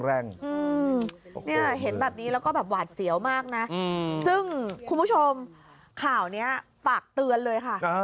อืมซึ่งคุณผู้ชมข่าวเนี้ยฝากเตือนเลยค่ะอ่า